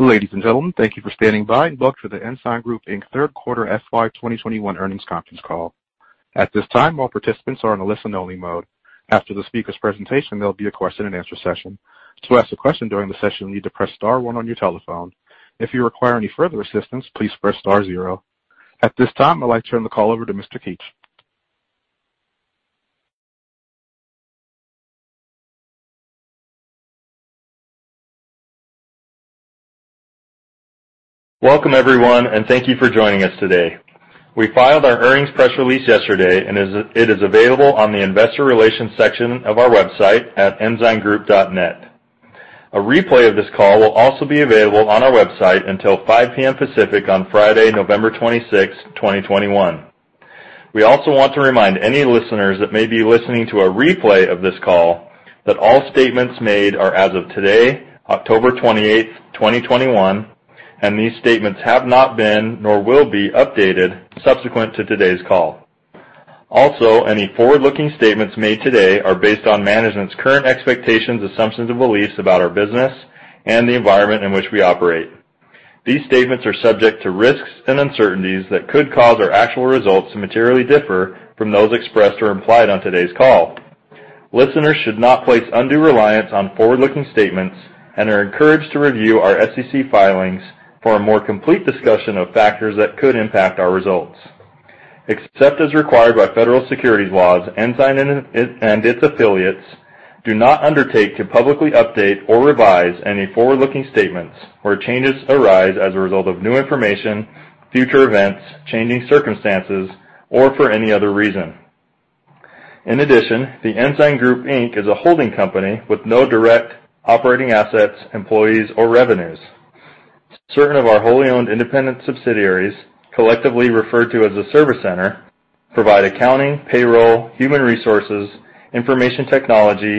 Ladies and gentlemen, thank you for standing by and welcome to The Ensign Group, Inc. Third Quarter FY 2021 Earnings Conference Call. At this time, all participants are in a listen-only mode. After the speaker's presentation, there'll be a question-and-answer session. To ask a question during the session, you need to press star one on your telephone. If you require any further assistance, please press star zero. At this time, I'd like to turn the call over to Mr. Keetch. Welcome, everyone, and thank you for joining us today. We filed our earnings press release yesterday, and it is available on the investor relations section of our website at ensigngroup.net. A replay of this call will also be available on our website until 5 P.M. Pacific on Friday, November 26, 2021. We also want to remind any listeners that may be listening to a replay of this call that all statements made are as of today, October 28, 2021, and these statements have not been nor will be updated subsequent to today's call. Also, any forward-looking statements made today are based on management's current expectations, assumptions, and beliefs about our business and the environment in which we operate. These statements are subject to risks and uncertainties that could cause our actual results to materially differ from those expressed or implied on today's call. Listeners should not place undue reliance on forward-looking statements and are encouraged to review our SEC filings for a more complete discussion of factors that could impact our results. Except as required by federal securities laws, Ensign and its affiliates do not undertake to publicly update or revise any forward-looking statements where changes arise as a result of new information, future events, changing circumstances, or for any other reason. In addition, The Ensign Group, Inc. is a holding company with no direct operating assets, employees, or revenues. Certain of our wholly owned independent subsidiaries, collectively referred to as a service center, provide accounting, payroll, human resources, information technology,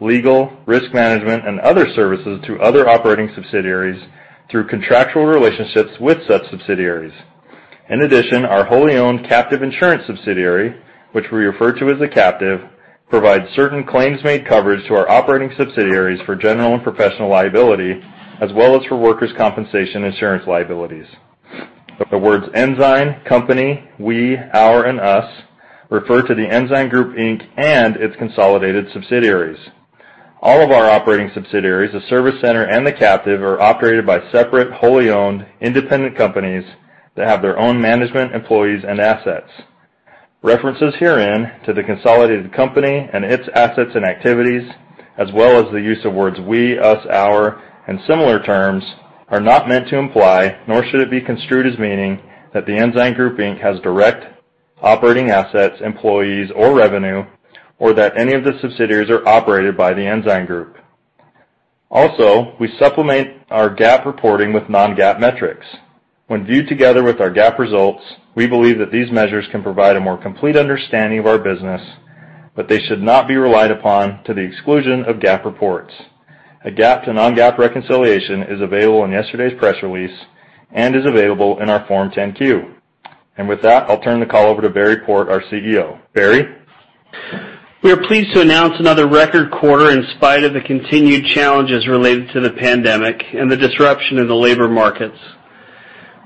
legal, risk management, and other services to other operating subsidiaries through contractual relationships with such subsidiaries. In addition, our wholly owned captive insurance subsidiary, which we refer to as a captive, provides certain claims-made coverage to our operating subsidiaries for general and professional liability as well as for workers' compensation insurance liabilities. The words Ensign, company, we, our, and us refer to The Ensign Group, Inc. and its consolidated subsidiaries. All of our operating subsidiaries, the service center, and the captive are operated by separate, wholly owned, independent companies that have their own management, employees, and assets. References herein to the consolidated company and its assets and activities, as well as the use of words we, us, our, and similar terms, are not meant to imply, nor should it be construed as meaning, that The Ensign Group, Inc. has direct operating assets, employees, or revenue, or that any of the subsidiaries are operated by The Ensign Group. Also, we supplement our GAAP reporting with non-GAAP metrics. When viewed together with our GAAP results, we believe that these measures can provide a more complete understanding of our business, but they should not be relied upon to the exclusion of GAAP reports. A GAAP to non-GAAP reconciliation is available in yesterday's press release and is available in our Form 10-Q. With that, I'll turn the call over to Barry Port, our CEO. Barry? We are pleased to announce another record quarter in spite of the continued challenges related to the pandemic and the disruption in the labor markets.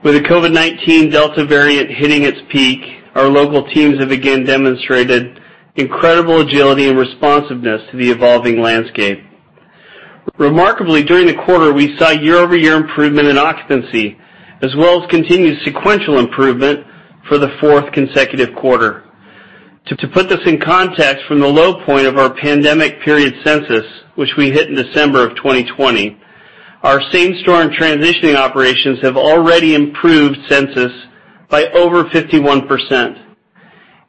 With the COVID-19 Delta variant hitting its peak, our local teams have again demonstrated incredible agility and responsiveness to the evolving landscape. Remarkably, during the quarter, we saw year-over-year improvement in occupancy as well as continued sequential improvement for the fourth consecutive quarter. To put this in context, from the low point of our pandemic period census, which we hit in December of 2020, our same-store and transitioning operations have already improved census by over 51%.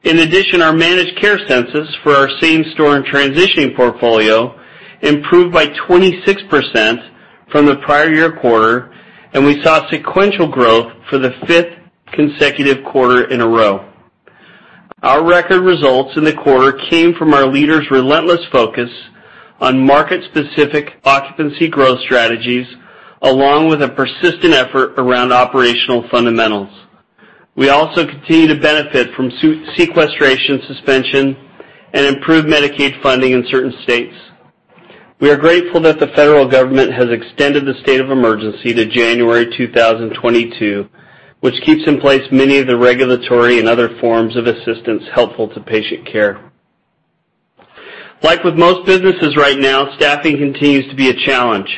In addition, our managed care census for our same-store and transitioning portfolio improved by 26% from the prior year quarter, and we saw sequential growth for the fifth consecutive quarter in a row. Our record results in the quarter came from our leaders' relentless focus on market-specific occupancy growth strategies, along with a persistent effort around operational fundamentals. We also continue to benefit from sequestration suspension and improved Medicaid funding in certain states. We are grateful that the federal government has extended the state of emergency to January 2022, which keeps in place many of the regulatory and other forms of assistance helpful to patient care. Like with most businesses right now, staffing continues to be a challenge.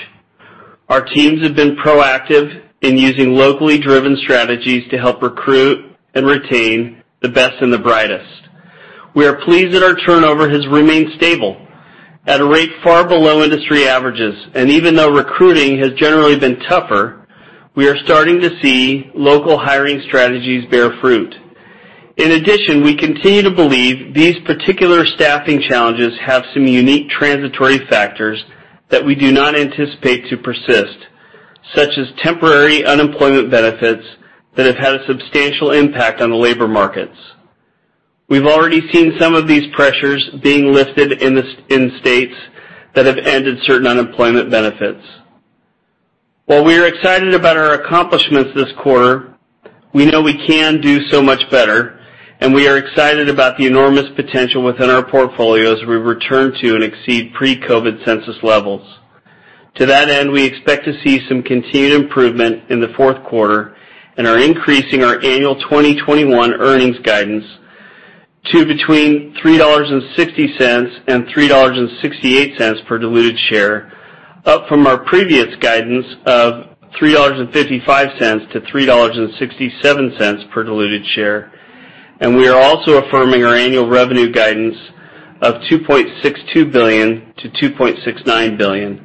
Our teams have been proactive in using locally driven strategies to help recruit and retain the best and the brightest. We are pleased that our turnover has remained stable at a rate far below industry averages. Even though recruiting has generally been tougher, we are starting to see local hiring strategies bear fruit. In addition, we continue to believe these particular staffing challenges have some unique transitory factors that we do not anticipate to persist, such as temporary unemployment benefits that have had a substantial impact on the labor markets. We've already seen some of these pressures being lifted in states that have ended certain unemployment benefits. While we are excited about our accomplishments this quarter, we know we can do so much better, and we are excited about the enormous potential within our portfolio as we return to and exceed pre-COVID census levels. To that end, we expect to see some continued improvement in the fourth quarter and are increasing our annual 2021 earnings guidance to between $3.60 and $3.68 per diluted share, up from our previous guidance of $3.55-$3.67 per diluted share. We are also affirming our annual revenue guidance of $2.62 billion-$2.69 billion.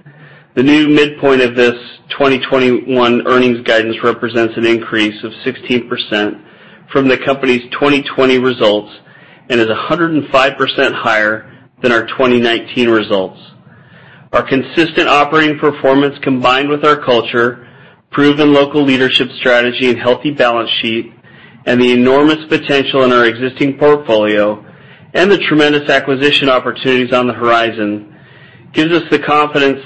The new midpoint of this 2021 earnings guidance represents an increase of 16% from the company's 2020 results and is 105% higher than our 2019 results. Our consistent operating performance, combined with our culture, proven local leadership strategy and healthy balance sheet, and the enormous potential in our existing portfolio, and the tremendous acquisition opportunities on the horizon, gives us the confidence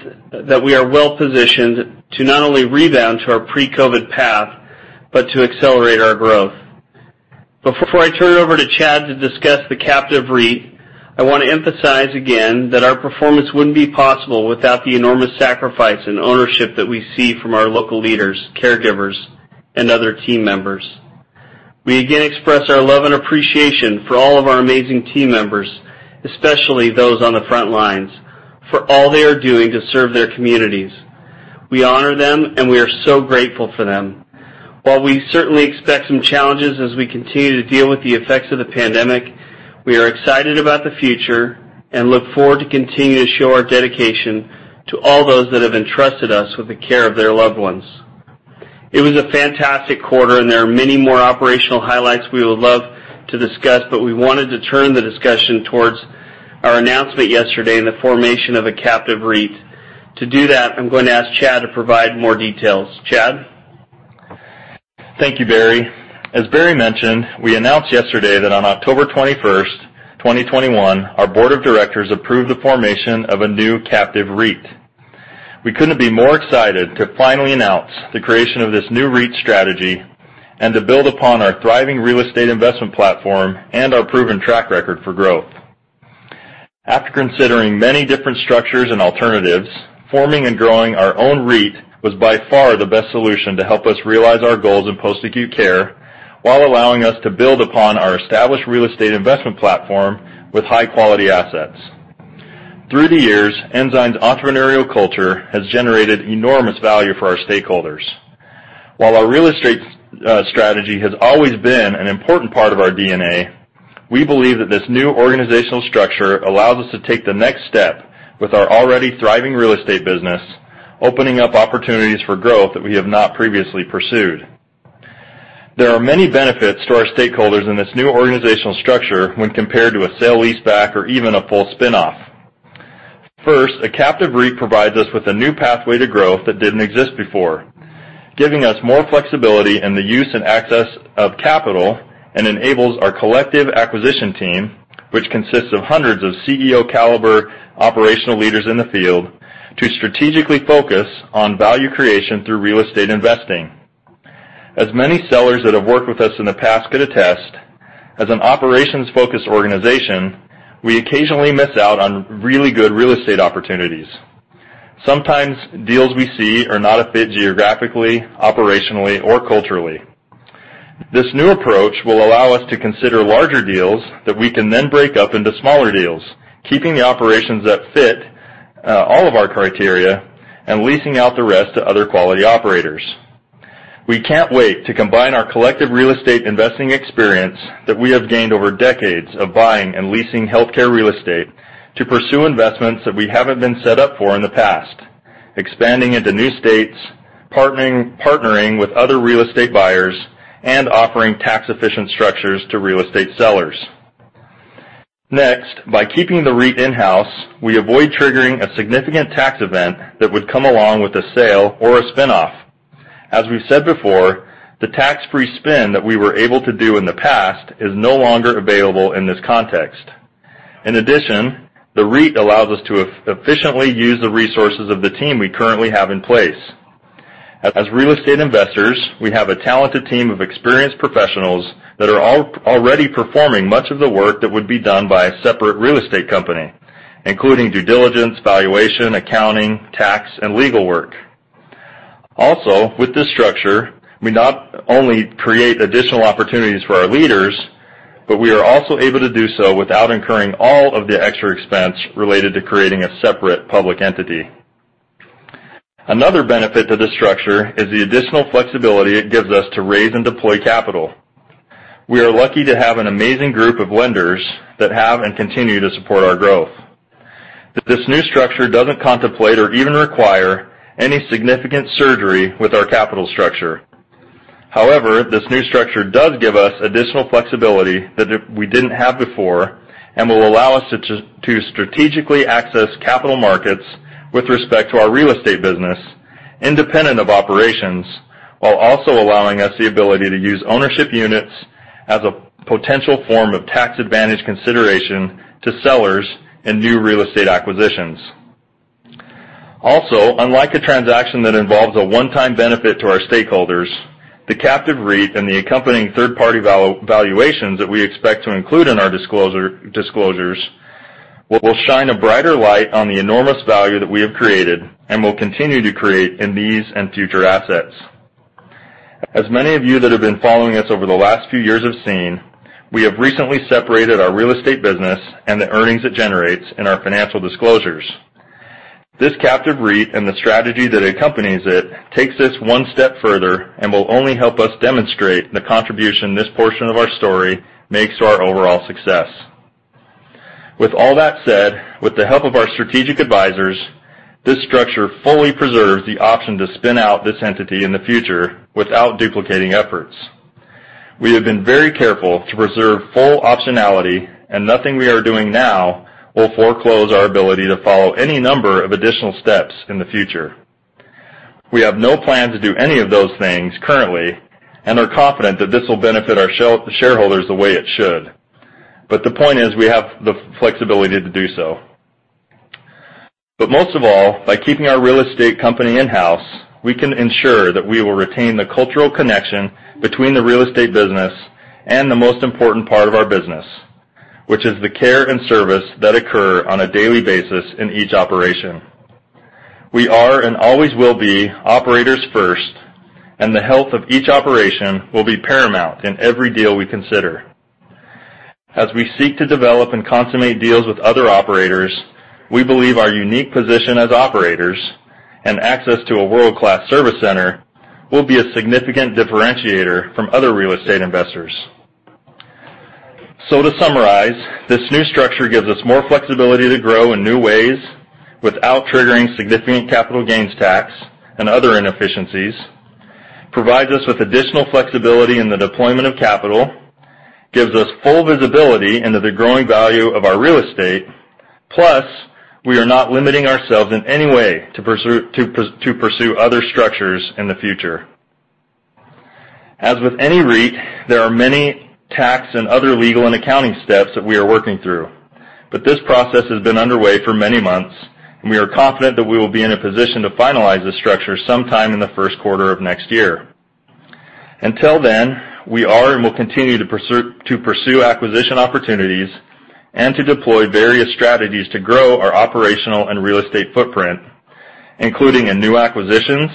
that we are well-positioned to not only rebound to our pre-COVID path, but to accelerate our growth. Before I turn it over to Chad to discuss the captive REIT, I want to emphasize again that our performance wouldn't be possible without the enormous sacrifice and ownership that we see from our local leaders, caregivers, and other team members. We again express our love and appreciation for all of our amazing team members, especially those on the front lines, for all they are doing to serve their communities. We honor them, and we are so grateful for them. While we certainly expect some challenges as we continue to deal with the effects of the pandemic, we are excited about the future and look forward to continuing to show our dedication to all those that have entrusted us with the care of their loved ones. It was a fantastic quarter and there are many more operational highlights we would love to discuss, but we wanted to turn the discussion towards our announcement yesterday in the formation of a captive REIT. To do that, I'm going to ask Chad to provide more details. Chad? Thank you, Barry. As Barry mentioned, we announced yesterday that on October 21st, 2021, our board of directors approved the formation of a new captive REIT. We couldn't be more excited to finally announce the creation of this new REIT strategy and to build upon our thriving real estate investment platform and our proven track record for growth. After considering many different structures and alternatives, forming and growing our own REIT was by far the best solution to help us realize our goals in post-acute care while allowing us to build upon our established real estate investment platform with high-quality assets. Through the years, Ensign's entrepreneurial culture has generated enormous value for our stakeholders. While our real estate strategy has always been an important part of our DNA, we believe that this new organizational structure allows us to take the next step with our already thriving real estate business, opening up opportunities for growth that we have not previously pursued. There are many benefits to our stakeholders in this new organizational structure when compared to a sale-lease back or even a full spin-off. First, a captive REIT provides us with a new pathway to growth that didn't exist before, giving us more flexibility in the use and access of capital and enables our collective acquisition team, which consists of hundreds of CEO-caliber operational leaders in the field, to strategically focus on value creation through real estate investing. As many sellers that have worked with us in the past could attest, as an operations-focused organization, we occasionally miss out on really good real estate opportunities. Sometimes deals we see are not a fit geographically, operationally, or culturally. This new approach will allow us to consider larger deals that we can then break up into smaller deals, keeping the operations that fit all of our criteria and leasing out the rest to other quality operators. We can't wait to combine our collective real estate investing experience that we have gained over decades of buying and leasing healthcare real estate to pursue investments that we haven't been set up for in the past, expanding into new states, partnering with other real estate buyers, and offering tax-efficient structures to real estate sellers. Next, by keeping the REIT in-house, we avoid triggering a significant tax event that would come along with a sale or a spin-off. As we've said before, the tax-free spin that we were able to do in the past is no longer available in this context. In addition, the REIT allows us to efficiently use the resources of the team we currently have in place. As real estate investors, we have a talented team of experienced professionals that are already performing much of the work that would be done by a separate real estate company, including due diligence, valuation, accounting, tax, and legal work. Also, with this structure, we not only create additional opportunities for our leaders, but we are also able to do so without incurring all of the extra expense related to creating a separate public entity. Another benefit to this structure is the additional flexibility it gives us to raise and deploy capital. We are lucky to have an amazing group of lenders that have and continue to support our growth. This new structure doesn't contemplate or even require any significant surgery with our capital structure. However, this new structure does give us additional flexibility that we didn't have before and will allow us to strategically access capital markets with respect to our real estate business independent of operations while also allowing us the ability to use ownership units as a potential form of tax advantage consideration to sellers in new real estate acquisitions. Also, unlike a transaction that involves a one-time benefit to our stakeholders, the captive REIT and the accompanying third-party valuations that we expect to include in our disclosures will shine a brighter light on the enormous value that we have created and will continue to create in these and future assets. As many of you that have been following us over the last few years have seen, we have recently separated our real estate business and the earnings it generates in our financial disclosures. This captive REIT and the strategy that accompanies it takes this one step further and will only help us demonstrate the contribution this portion of our story makes to our overall success. With all that said, with the help of our strategic advisors, this structure fully preserves the option to spin out this entity in the future without duplicating efforts. We have been very careful to preserve full optionality, and nothing we are doing now will foreclose our ability to follow any number of additional steps in the future. We have no plan to do any of those things currently and are confident that this will benefit our shareholders the way it should. The point is, we have the flexibility to do so. Most of all, by keeping our real estate company in-house, we can ensure that we will retain the cultural connection between the real estate business and the most important part of our business, which is the care and service that occur on a daily basis in each operation. We are and always will be operators first, and the health of each operation will be paramount in every deal we consider. As we seek to develop and consummate deals with other operators, we believe our unique position as operators and access to a world-class service center will be a significant differentiator from other real estate investors. To summarize, this new structure gives us more flexibility to grow in new ways without triggering significant capital gains tax and other inefficiencies, provides us with additional flexibility in the deployment of capital, gives us full visibility into the growing value of our real estate, plus we are not limiting ourselves in any way to pursue other structures in the future. As with any REIT, there are many tax and other legal and accounting steps that we are working through. This process has been underway for many months, and we are confident that we will be in a position to finalize this structure sometime in the first quarter of next year. Until then, we are and will continue to pursue acquisition opportunities and to deploy various strategies to grow our operational and real estate footprint, including in new acquisitions,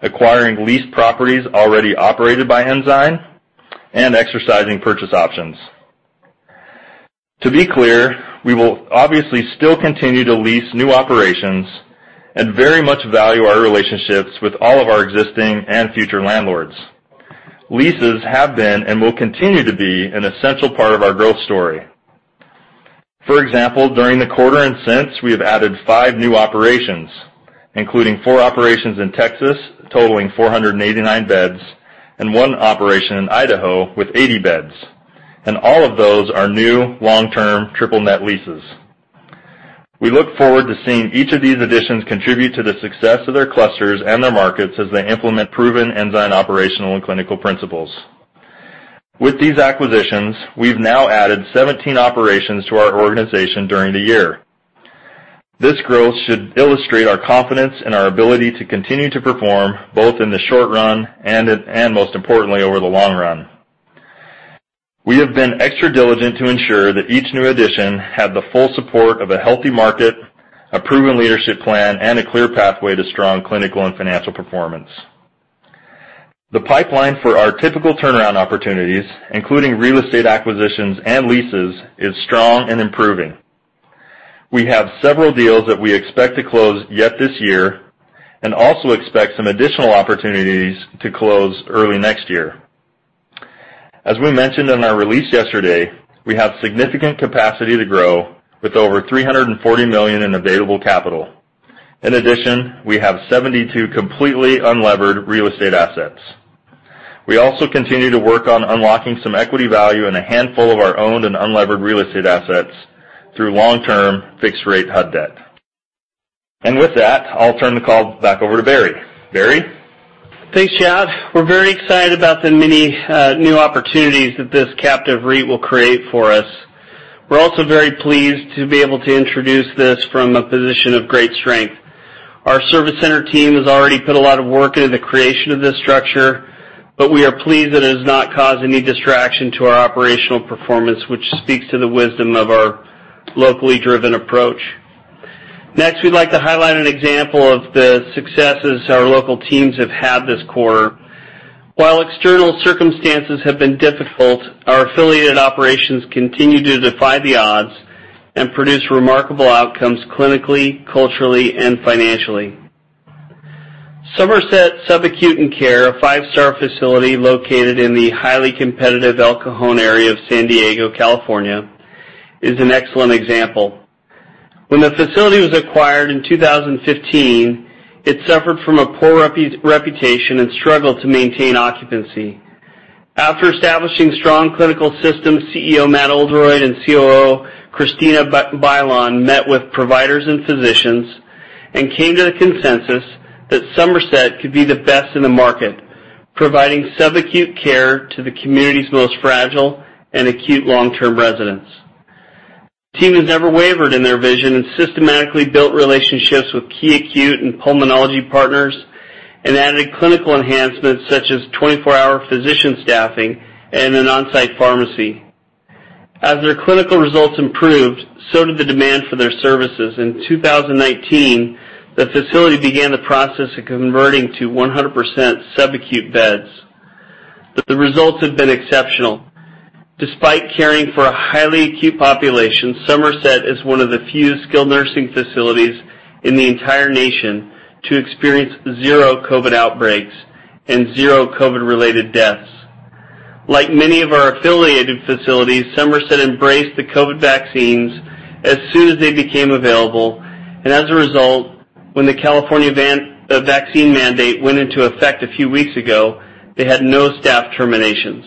acquiring leased properties already operated by Ensign, and exercising purchase options. To be clear, we will obviously still continue to lease new operations and very much value our relationships with all of our existing and future landlords. Leases have been and will continue to be an essential part of our growth story. For example, during the quarter and since, we have added five new operations, including four operations in Texas totaling 489 beds, and one operation in Idaho with 80 beds. All of those are new long-term triple net leases. We look forward to seeing each of these additions contribute to the success of their clusters and their markets as they implement proven Ensign operational and clinical principles. With these acquisitions, we've now added 17 operations to our organization during the year. This growth should illustrate our confidence in our ability to continue to perform, both in the short run and, most importantly, over the long run. We have been extra diligent to ensure that each new addition had the full support of a healthy market, a proven leadership plan, and a clear pathway to strong clinical and financial performance. The pipeline for our typical turnaround opportunities, including real estate acquisitions and leases, is strong and improving. We have several deals that we expect to close yet this year and also expect some additional opportunities to close early next year. As we mentioned in our release yesterday, we have significant capacity to grow with over $340 million in available capital. In addition, we have 72 completely unlevered real estate assets. We also continue to work on unlocking some equity value in a handful of our owned and unlevered real estate assets through long-term fixed rate HUD debt. With that, I'll turn the call back over to Barry. Barry? Thanks, Chad. We're very excited about the many new opportunities that this captive REIT will create for us. We're also very pleased to be able to introduce this from a position of great strength. Our service center team has already put a lot of work into the creation of this structure, but we are pleased that it has not caused any distraction to our operational performance, which speaks to the wisdom of our locally driven approach. Next, we'd like to highlight an example of the successes our local teams have had this quarter. While external circumstances have been difficult, our affiliated operations continue to defy the odds and produce remarkable outcomes clinically, culturally, and financially. Somerset Subacute and Care, a five-star facility located in the highly competitive El Cajon area of San Diego, California, is an excellent example. When the facility was acquired in 2015, it suffered from a poor reputation and struggled to maintain occupancy. After establishing strong clinical systems, CEO Matt Oldroyd and COO Christina Bailan met with providers and physicians and came to the consensus that Somerset could be the best in the market, providing subacute care to the community's most fragile and acute long-term residents. Team has never wavered in their vision and systematically built relationships with key acute and pulmonology partners and added clinical enhancements such as 24-hour physician staffing and an on-site pharmacy. As their clinical results improved, so did the demand for their services. In 2019, the facility began the process of converting to 100% subacute beds. The results have been exceptional. Despite caring for a highly acute population, Somerset is one of the few skilled nursing facilities in the entire nation to experience zero COVID outbreaks and zero COVID-related deaths. Like many of our affiliated facilities, Somerset embraced the COVID vaccines as soon as they became available, and as a result, when the California vaccine mandate went into effect a few weeks ago, they had no staff terminations.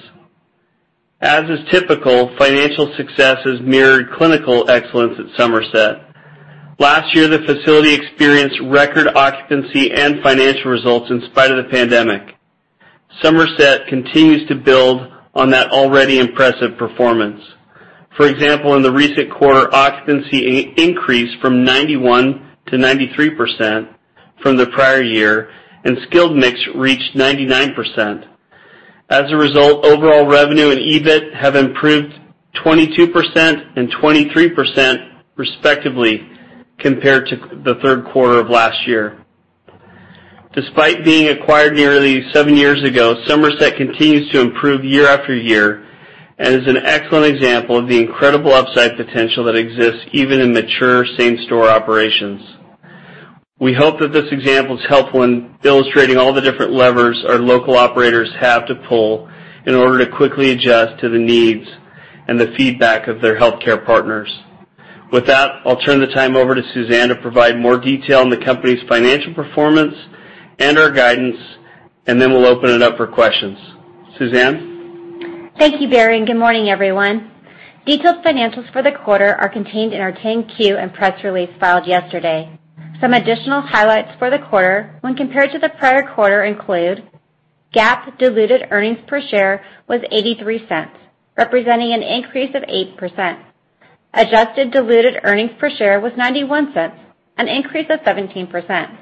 As is typical, financial success has mirrored clinical excellence at Somerset. Last year, the facility experienced record occupancy and financial results in spite of the pandemic. Somerset continues to build on that already impressive performance. For example, in the recent quarter, occupancy increased from 91%-93% from the prior year, and skilled mix reached 99%. As a result, overall revenue and EBIT have improved 22% and 23%, respectively, compared to the third quarter of last year. Despite being acquired nearly seven years ago, Somerset continues to improve year after year and is an excellent example of the incredible upside potential that exists even in mature same-store operations. We hope that this example is helpful in illustrating all the different levers our local operators have to pull in order to quickly adjust to the needs and the feedback of their healthcare partners. With that, I'll turn the time over to Suzanne to provide more detail on the company's financial performance and our guidance, and then we'll open it up for questions. Suzanne? Thank you, Barry, and good morning, everyone. Detailed financials for the quarter are contained in our 10-Q and press release filed yesterday. Some additional highlights for the quarter when compared to the prior quarter include GAAP diluted earnings per share was $0.83, representing an increase of 8%. Adjusted diluted earnings per share was $0.91, an increase of 17%.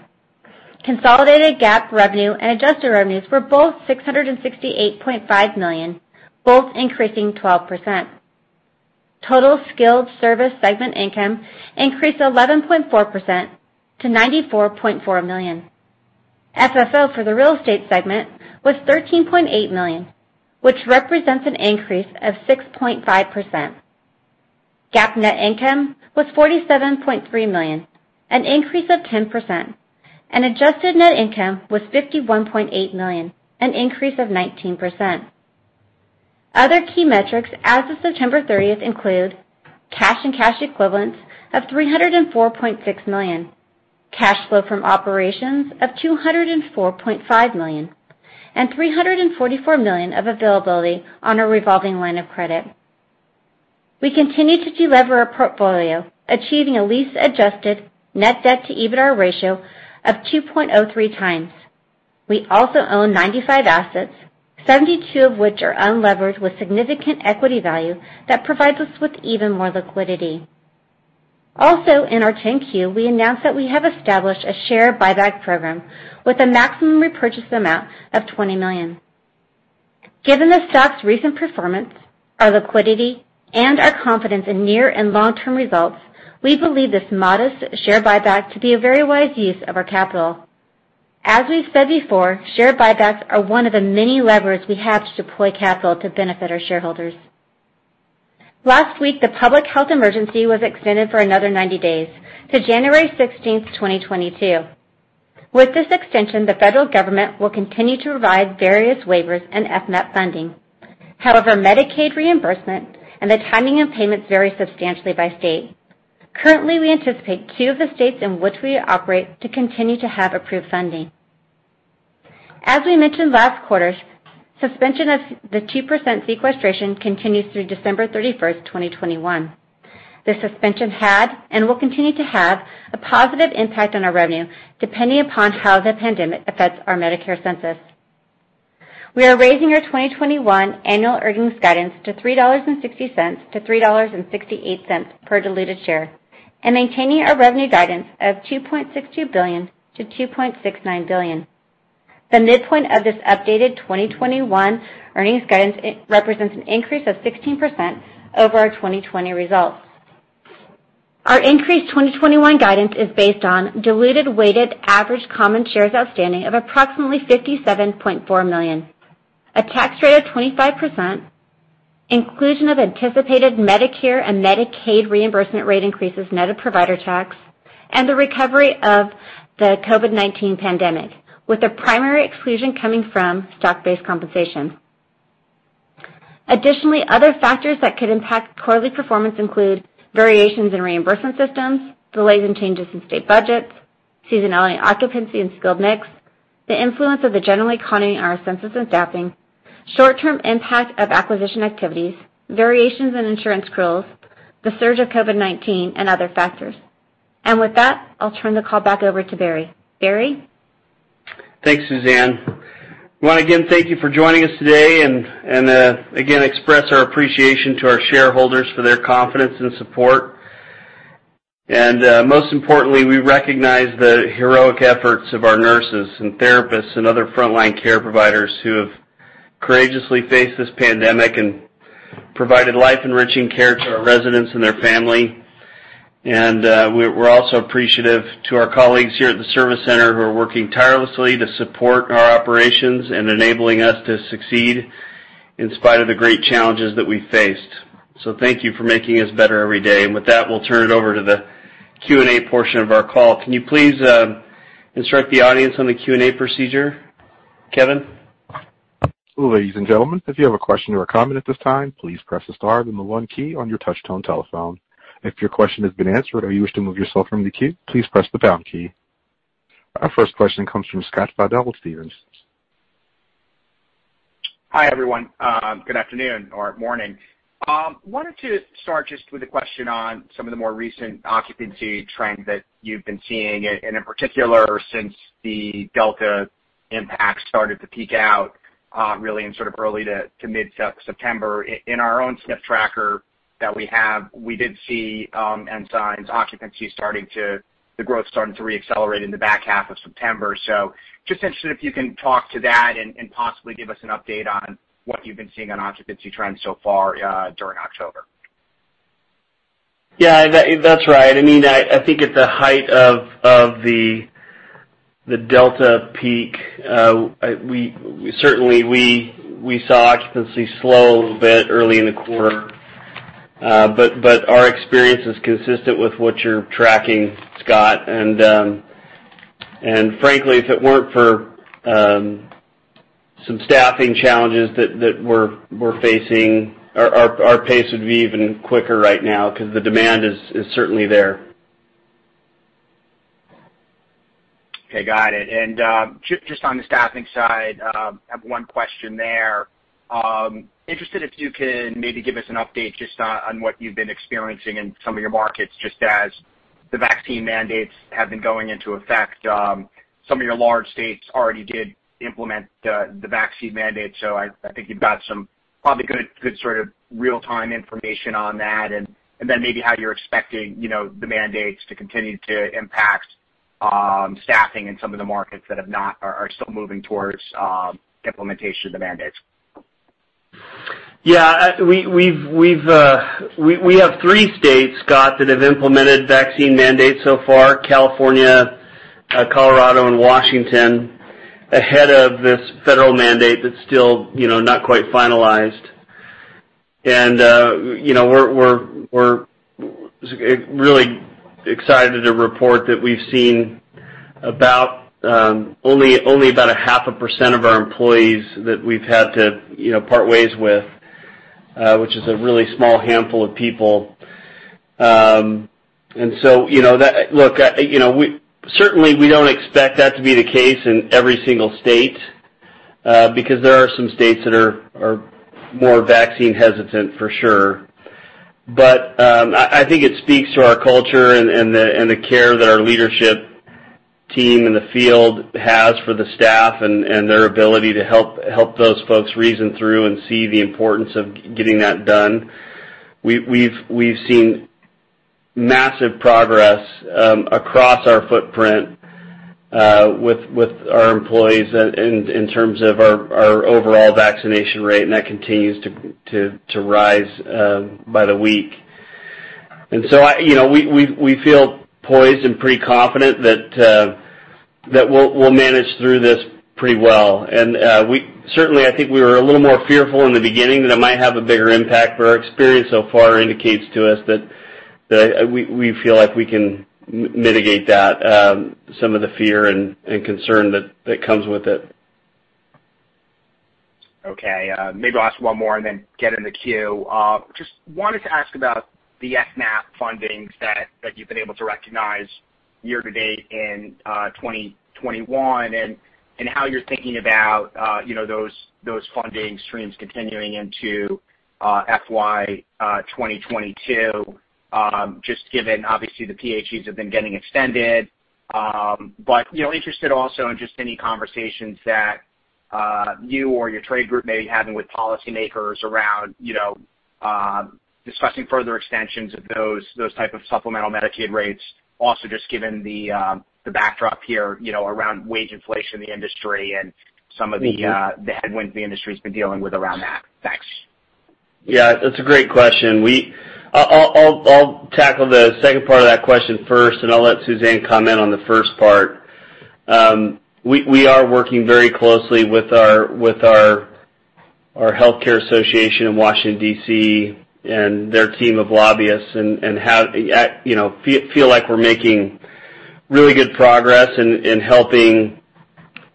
Consolidated GAAP revenue and adjusted revenues were both $668.5 million, both increasing 12%. Total skilled service segment income increased 11.4% to $94.4 million. FFO for the real estate segment was $13.8 million, which represents an increase of 6.5%. GAAP net income was $47.3 million, an increase of 10%, and adjusted net income was $51.8 million, an increase of 19%. Other key metrics as of September 30 include cash and cash equivalents of $304.6 million, cash flow from operations of $204.5 million, and $344 million of availability on our revolving line of credit. We continue to delever our portfolio, achieving a lease-adjusted net debt-to-EBITDA ratio of 2.03x. We also own 95 assets, 72 of which are unlevered with significant equity value that provides us with even more liquidity. In our 10-Q, we announced that we have established a share buyback program with a maximum repurchase amount of $20 million. Given the stock's recent performance, our liquidity, and our confidence in near and long-term results, we believe this modest share buyback to be a very wise use of our capital. As we've said before, share buybacks are one of the many levers we have to deploy capital to benefit our shareholders. Last week, the Public Health Emergency was extended for another 90 days to January 16, 2022. With this extension, the federal government will continue to provide various waivers and FMAP funding. However, Medicaid reimbursement and the timing of payments vary substantially by state. Currently, we anticipate two of the states in which we operate to continue to have approved funding. As we mentioned last quarter, suspension of the 2% sequestration continues through December 31, 2021. The suspension had and will continue to have a positive impact on our revenue, depending upon how the pandemic affects our Medicare census. We are raising our 2021 annual earnings guidance to $3.60-$3.68 per diluted share and maintaining our revenue guidance of $2.62 billion-$2.69 billion. The midpoint of this updated 2021 earnings guidance represents an increase of 16% over our 2020 results. Our increased 2021 guidance is based on diluted weighted average common shares outstanding of approximately 57.4 million, a tax rate of 25%, inclusion of anticipated Medicare and Medicaid reimbursement rate increases net of provider tax, and the recovery of the COVID-19 pandemic, with the primary exclusion coming from stock-based compensation. Additionally, other factors that could impact quarterly performance include variations in reimbursement systems, delays and changes in state budgets, seasonality occupancy and skilled mix, the influence of the general economy on our census and staffing, short-term impact of acquisition activities, variations in insurance growth, the surge of COVID-19, and other factors. With that, I'll turn the call back over to Barry. Barry? Thanks, Suzanne. I wanna again thank you for joining us today and again express our appreciation to our shareholders for their confidence and support. Most importantly, we recognize the heroic efforts of our nurses and therapists and other frontline care providers who have courageously faced this pandemic and provided life-enriching care to our residents and their family. We're also appreciative to our colleagues here at the service center who are working tirelessly to support our operations and enabling us to succeed in spite of the great challenges that we faced. Thank you for making us better every day. With that, we'll turn it over to the Q&A portion of our call. Can you please instruct the audience on the Q&A procedure, Kevin? Ladies and gentlemen, if you have a question or a comment at this time, please press star then one key on you touchtone telephone. If you question has been answered to remove yourself from the queue press the down key. Our first question comes from Scott Fidel with Stephens. Hi, everyone. Good afternoon or morning. Wanted to start just with a question on some of the more recent occupancy trends that you've been seeing, and in particular, since the Delta impact started to peak out, really in sort of early to mid-September. In our own SNF tracker that we have, we did see Ensign's occupancy growth starting to reaccelerate in the back half of September. Just interested if you can talk to that and possibly give us an update on what you've been seeing on occupancy trends so far during October. Yeah, that's right. I mean, I think at the height of the Delta peak, we certainly saw occupancy slow a little bit early in the quarter. But our experience is consistent with what you're tracking, Scott. Frankly, if it weren't for some staffing challenges that we're facing, our pace would be even quicker right now 'cause the demand is certainly there. Okay, got it. Just on the staffing side, I have one question there. I'm interested if you can maybe give us an update just on what you've been experiencing in some of your markets, just as the vaccine mandates have been going into effect. Some of your large states already did implement the vaccine mandate, so I think you've got some good sort of real-time information on that. Then maybe how you're expecting, you know, the mandates to continue to impact staffing in some of the markets that have not or are still moving towards implementation of the mandates. Yeah. We have three states, Scott, that have implemented vaccine mandates so far, California, Colorado and Washington, ahead of this federal mandate that's still, you know, not quite finalized. You know, we're really excited to report that we've seen about only 0.5% of our employees that we've had to, you know, part ways with, which is a really small handful of people. You know, we certainly don't expect that to be the case in every single state, because there are some states that are more vaccine hesitant for sure. I think it speaks to our culture and the care that our leadership team in the field has for the staff and their ability to help those folks reason through and see the importance of getting that done. We've seen massive progress across our footprint with our employees in terms of our overall vaccination rate, and that continues to rise by the week. I you know, we feel poised and pretty confident that we'll manage through this pretty well. Certainly, I think we were a little more fearful in the beginning that it might have a bigger impact, but our experience so far indicates to us that we feel like we can mitigate that, some of the fear and concern that comes with it. Okay. Maybe I'll ask one more and then get in the queue. Just wanted to ask about the FMAP fundings that you've been able to recognize year to date in 2021, and how you're thinking about, you know, those funding streams continuing into FY 2022, just given obviously the PHEs have been getting extended. You know, interested also in just any conversations that you or your trade group may be having with policymakers around, you know, discussing further extensions of those type of supplemental Medicaid rates. Also, just given the backdrop here, you know, around wage inflation in the industry and some of the- Mm-hmm. the headwinds the industry's been dealing with around that. Thanks. Yeah, that's a great question. I'll tackle the second part of that question first, and I'll let Suzanne comment on the first part. We are working very closely with our healthcare association in Washington, D.C. and their team of lobbyists and have you know feel like we're making really good progress in helping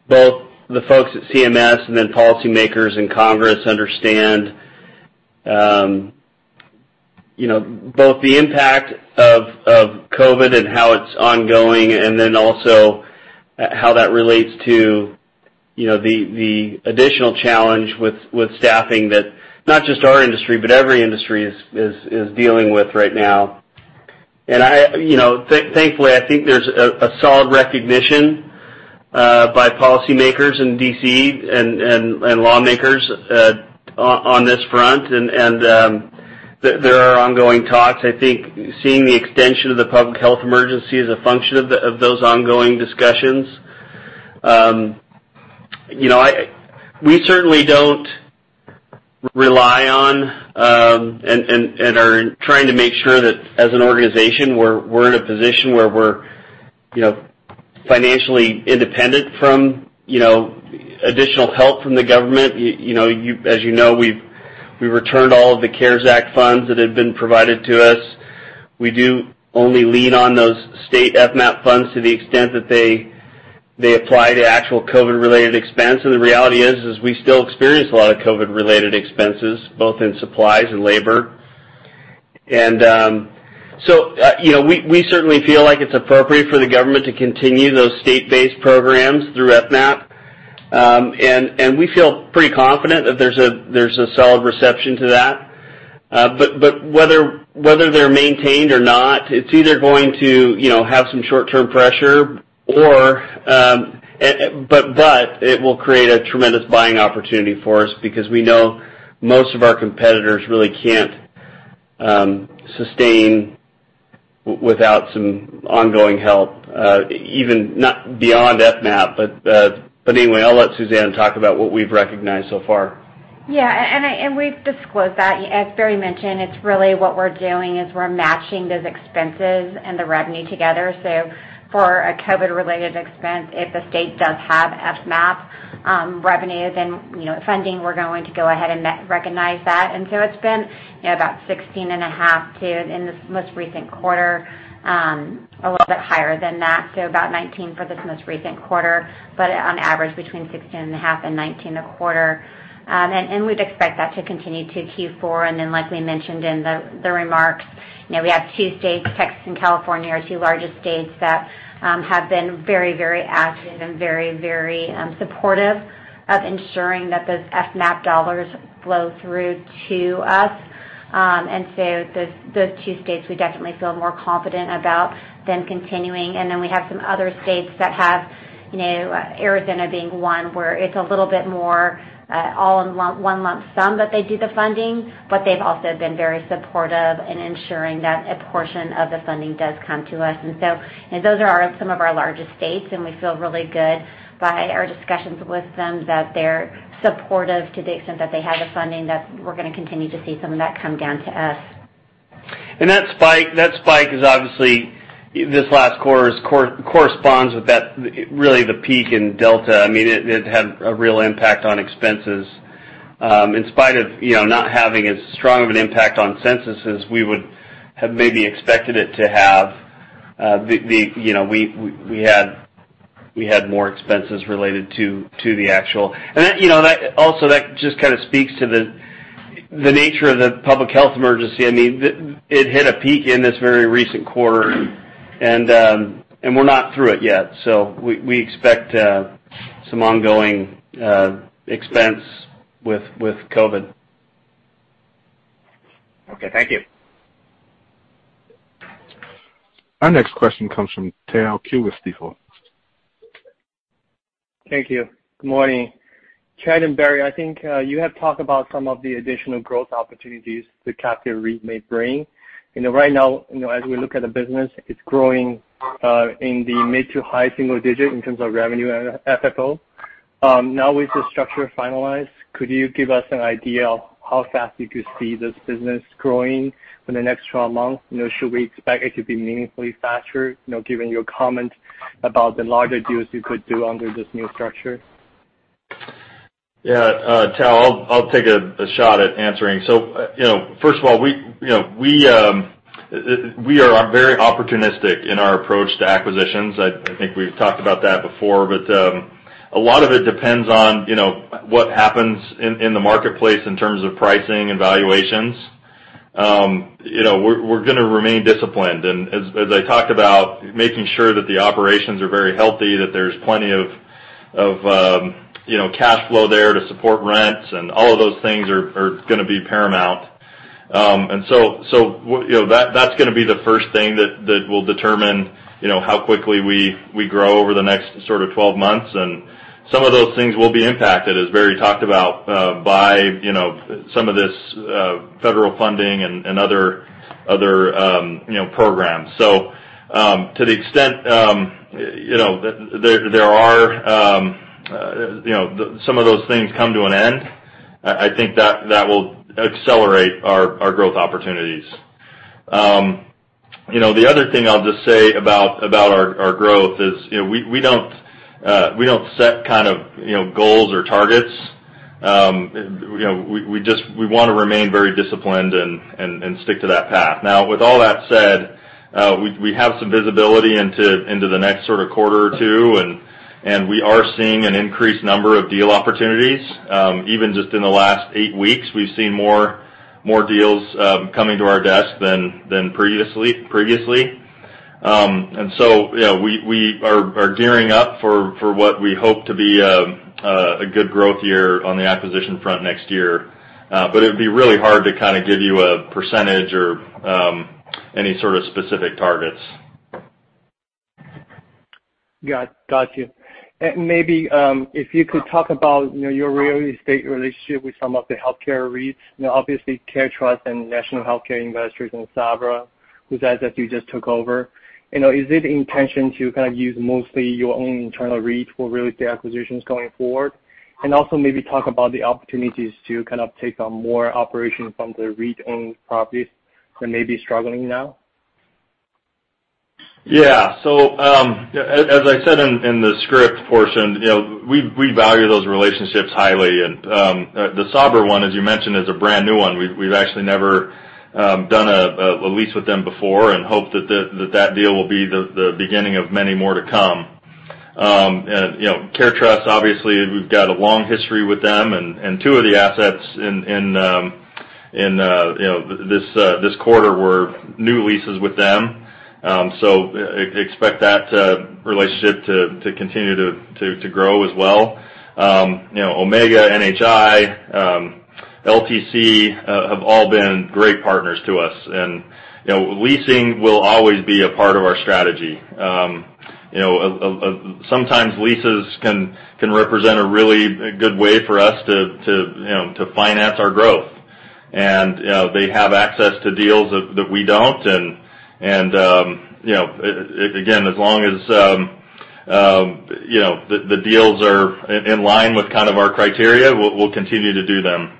both the folks at CMS and then policymakers in Congress understand you know both the impact of COVID and how it's ongoing, and then also how that relates to you know the additional challenge with staffing that not just our industry, but every industry is dealing with right now. You know, thankfully, I think there's a solid recognition by policymakers in D.C. and lawmakers on this front. There are ongoing talks. I think seeing the extension of the public health emergency is a function of those ongoing discussions. You know, we certainly don't rely on and are trying to make sure that as an organization, we're in a position where we're, you know, financially independent from, you know, additional help from the government. You know, as you know, we've returned all of the CARES Act funds that had been provided to us. We do only lean on those state FMAP funds to the extent that they apply to actual COVID-related expense. The reality is we still experience a lot of COVID-related expenses, both in supplies and labor. You know, we certainly feel like it's appropriate for the government to continue those state-based programs through FMAP. We feel pretty confident that there's a solid reception to that. Whether they're maintained or not, it's either going to, you know, have some short-term pressure or it will create a tremendous buying opportunity for us because we know most of our competitors really can't sustain without some ongoing help, even not beyond FMAP. Anyway, I'll let Suzanne talk about what we've recognized so far. Yeah. We've disclosed that. As Barry mentioned, it's really what we're doing is we're matching those expenses and the revenue together. For a COVID-related expense, if the state does have FMAP revenue, then funding, we're going to go ahead and re-recognize that. It's been about $16.5 to, in this most recent quarter, a little bit higher than that, so about $19 for this most recent quarter, but on average between $16.5 and $19 a quarter. We'd expect that to continue to Q4. Like we mentioned in the remarks, we have two states, Texas and California, our two largest states that have been very active and very supportive of ensuring that those FMAP dollars flow through to us. Those two states we definitely feel more confident about them continuing. Then we have some other states that have, you know, Arizona being one where it's a little bit more, all in one lump sum that they do the funding, but they've also been very supportive in ensuring that a portion of the funding does come to us. Those are some of our largest states, and we feel really good by our discussions with them that they're supportive to the extent that they have the funding, that we're gonna continue to see some of that come down to us. That spike is obviously this last quarter's corresponds with that, really the peak in Delta. I mean, it had a real impact on expenses, in spite of, you know, not having as strong of an impact on census as we would have maybe expected it to have. You know, we had more expenses related to the actual. That, you know, that also just kind of speaks to the nature of the public health emergency. I mean, it hit a peak in this very recent quarter, and we're not through it yet. So we expect some ongoing expense with COVID. Okay. Thank you. Our next question comes from Tao Qiu with Stifel. Thank you. Good morning. Chad and Barry, I think you have talked about some of the additional growth opportunities the captive REIT may bring. You know, right now, you know, as we look at the business, it's growing in the mid- to high-single-digit in terms of revenue and FFO. Now with the structure finalized, could you give us an idea of how fast you could see this business growing for the next 12 months? You know, should we expect it to be meaningfully faster, you know, given your comment about the larger deals you could do under this new structure? Yeah. Tao, I'll take a shot at answering. You know, first of all, we are very opportunistic in our approach to acquisitions. I think we've talked about that before. A lot of it depends on, you know, what happens in the marketplace in terms of pricing and valuations. You know, we're gonna remain disciplined. As I talked about, making sure that the operations are very healthy, that there's plenty of, you know, cash flow there to support rents, and all of those things are gonna be paramount. You know, that's gonna be the first thing that will determine, you know, how quickly we grow over the next sort of 12 months. Some of those things will be impacted, as Barry talked about, by you know, some of this federal funding and other programs. To the extent you know there are some of those things come to an end, I think that will accelerate our growth opportunities. You know, the other thing I'll just say about our growth is, you know, we don't set kind of you know, goals or targets You know, we wanna remain very disciplined and stick to that path. Now, with all that said, we have some visibility into the next sort of quarter or two, and we are seeing an increased number of deal opportunities. Even just in the last eight weeks, we've seen more deals coming to our desk than previously. You know, we are gearing up for what we hope to be a good growth year on the acquisition front next year. It would be really hard to kinda give you a percentage or any sort of specific targets. Got you. Maybe if you could talk about your real estate relationship with some of the healthcare REITs. You know, obviously, CareTrust and National Health Investors and Sabra, whose assets you just took over. You know, is the intention to kind of use mostly your own internal REIT for real estate acquisitions going forward? Also maybe talk about the opportunities to kind of take on more operations from the REIT-owned properties that may be struggling now. Yeah. As I said in the script portion, you know, we value those relationships highly. The Sabra one, as you mentioned, is a brand-new one. We've actually never done a lease with them before and hope that the deal will be the beginning of many more to come. You know, CareTrust, obviously, we've got a long history with them. Two of the assets in, you know, this quarter were new leases with them. Expect that relationship to grow as well. You know, Omega, NHI, LTC have all been great partners to us. You know, leasing will always be a part of our strategy. You know, sometimes leases can represent a really good way for us to you know to finance our growth. They have access to deals that we don't. You know, again, as long as you know the deals are in line with kind of our criteria, we'll continue to do them.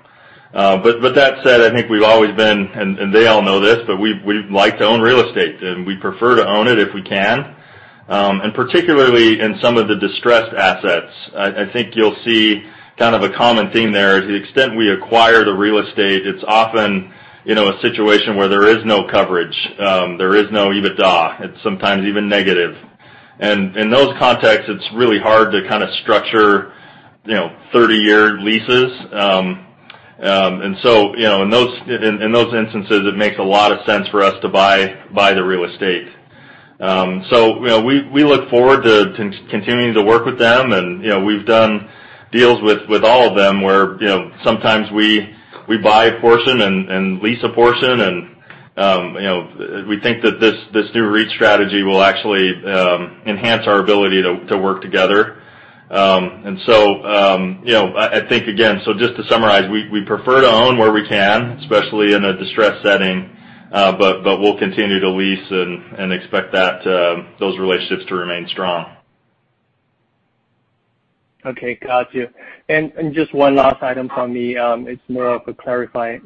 But that said, I think we've always been, and they all know this, but we've liked to own real estate, and we prefer to own it if we can. Particularly in some of the distressed assets, I think you'll see kind of a common theme there. To the extent we acquire the real estate, it's often you know a situation where there is no coverage, there is no EBITDA. It's sometimes even negative. In those contexts, it's really hard to kinda structure, you know, 30-year leases. In those instances, it makes a lot of sense for us to buy the real estate. You know, we look forward to continuing to work with them. You know, we've done deals with all of them, where, you know, sometimes we buy a portion and lease a portion. You know, we think that this new REIT strategy will actually enhance our ability to work together. You know, I think again, just to summarize, we prefer to own where we can, especially in a distressed setting, but we'll continue to lease and expect that those relationships to remain strong. Okay. Got you. Just one last item from me. It's more of a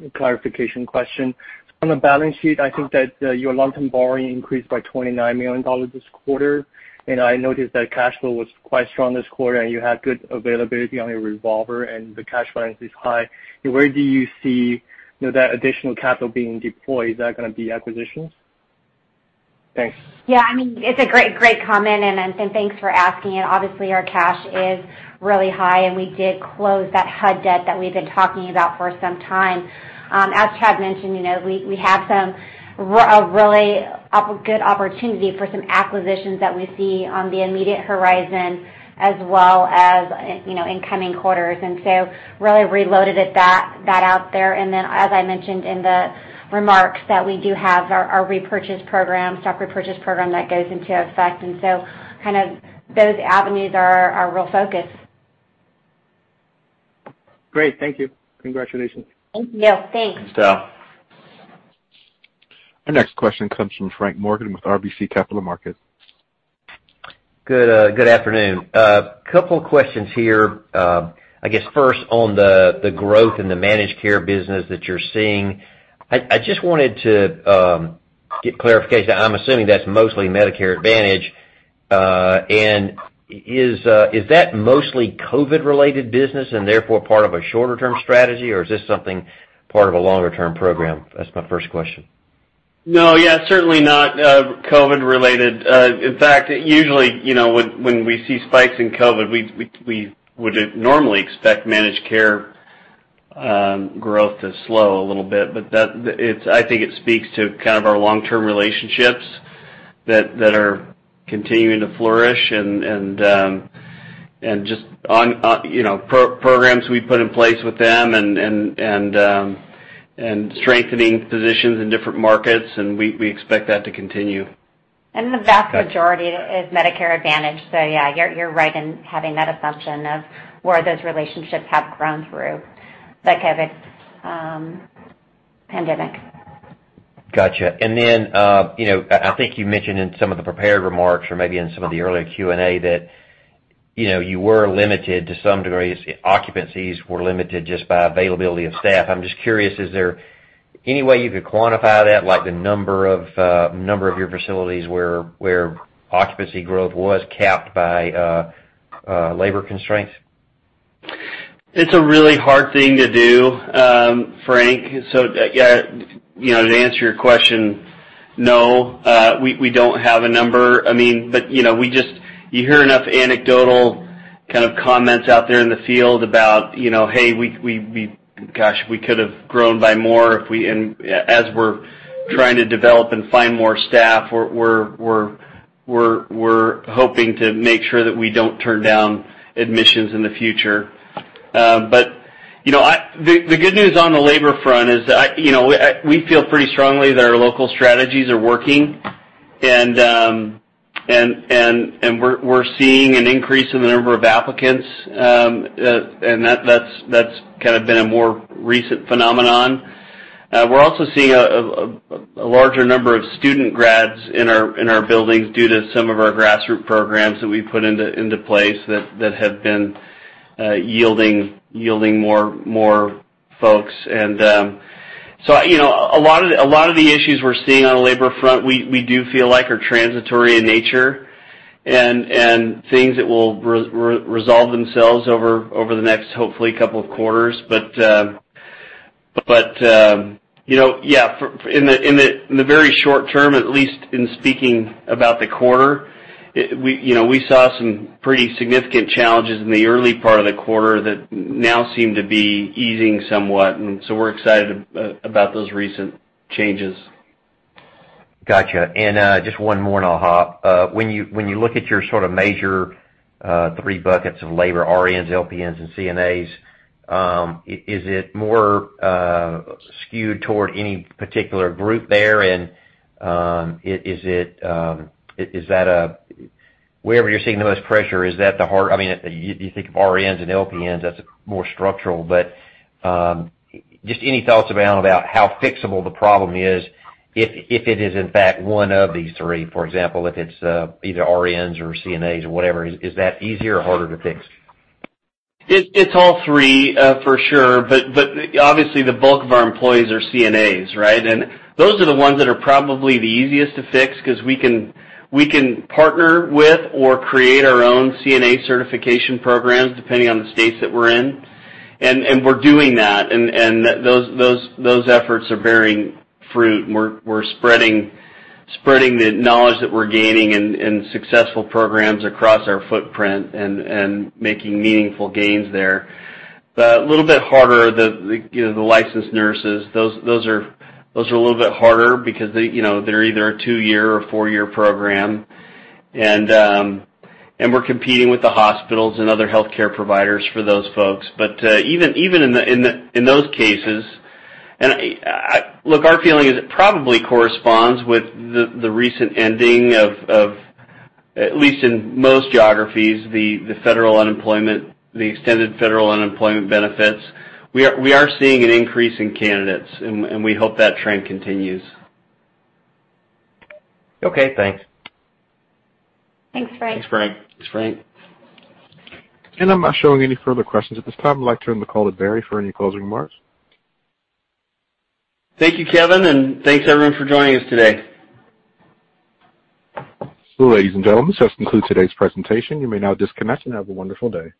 clarification question. On the balance sheet, I think that your long-term borrowing increased by $29 million this quarter. I noticed that cash flow was quite strong this quarter, and you had good availability on your revolver, and the cash balance is high. Where do you see, you know, that additional capital being deployed? Is that gonna be acquisitions? Thanks. Yeah. I mean, it's a great comment, and thanks for asking it. Obviously, our cash is really high, and we did close that HUD debt that we've been talking about for some time. As Chad mentioned, you know, we have a really good opportunity for some acquisitions that we see on the immediate horizon as well as, you know, in coming quarters. Really reloaded it, that out there. Then, as I mentioned in the remarks, we do have our repurchase program, stock repurchase program that goes into effect. Those avenues are our real focus. Great. Thank you. Congratulations. Thank you. Thanks. Thanks, Tao. Our next question comes from Frank Morgan with RBC Capital Markets. Good, good afternoon. A couple of questions here. I guess first on the growth in the managed care business that you're seeing. I just wanted to get clarification. I'm assuming that's mostly Medicare Advantage. Is that mostly COVID-related business and therefore part of a shorter-term strategy, or is this something part of a longer-term program? That's my first question. No. Yeah, certainly not COVID-related. In fact, usually, you know, when we see spikes in COVID, we would normally expect managed care growth to slow a little bit. I think it speaks to kind of our long-term relationships that are continuing to flourish and just on, you know, programs we put in place with them and strengthening positions in different markets, and we expect that to continue. The vast majority is Medicare Advantage. Yeah, you're right in having that assumption of where those relationships have grown through the COVID pandemic. Got you. You know, I think you mentioned in some of the prepared remarks or maybe in some of the earlier Q&A that, you know, you were limited to some degree. Occupancies were limited just by availability of staff. I'm just curious, is there any way you could quantify that, like the number of your facilities where occupancy growth was capped by labor constraints? It's a really hard thing to do, Frank. Yeah, you know, to answer your question, no, we don't have a number. I mean, you know, you hear enough anecdotal kind of comments out there in the field about, you know, "Hey, we gosh, we could have grown by more if we" and as we're trying to develop and find more staff, we're hoping to make sure that we don't turn down admissions in the future. But you know, the good news on the labor front is, you know, we feel pretty strongly that our local strategies are working. And we're seeing an increase in the number of applicants, and that's kind of been a more recent phenomenon. We're also seeing a larger number of student grads in our buildings due to some of our grassroots programs that we've put into place that have been yielding more folks. You know, a lot of the issues we're seeing on the labor front, we do feel like are transitory in nature and things that will resolve themselves over the next, hopefully, couple of quarters. You know, yeah, in the very short term, at least in speaking about the quarter, we saw some pretty significant challenges in the early part of the quarter that now seem to be easing somewhat, and we're excited about those recent changes. Gotcha. Just one more and I'll hop. When you look at your sort of major three buckets of labor, RNs, LPNs, and CNAs, is it more skewed toward any particular group there? Wherever you're seeing the most pressure, is that the hardest? I mean, you think of RNs and LPNs, that's more structural, but just any thoughts around about how fixable the problem is, if it is in fact one of these three, for example, if it's either RNs or CNAs or whatever, is that easier or harder to fix? It's all three, for sure. Obviously, the bulk of our employees are CNAs, right? Those are the ones that are probably the easiest to fix 'cause we can partner with or create our own CNA certification programs, depending on the states that we're in. We're doing that, and those efforts are bearing fruit. We're spreading the knowledge that we're gaining in successful programs across our footprint and making meaningful gains there. A little bit harder, you know, the licensed nurses, those are a little bit harder because they, you know, they're either a two-year or four-year program. We're competing with the hospitals and other healthcare providers for those folks. Even in those cases. Look, our feeling is it probably corresponds with the recent ending of, at least in most geographies, the federal unemployment, the extended federal unemployment benefits. We are seeing an increase in candidates, and we hope that trend continues. Okay, thanks. Thanks, Frank. Thanks, Frank. Thanks, Frank. I'm not showing any further questions at this time. I'd like to turn the call to Barry for any closing remarks. Thank you, Kevin, and thanks, everyone, for joining us today. Ladies and gentlemen, this just concludes today's presentation. You may now disconnect and have a wonderful day.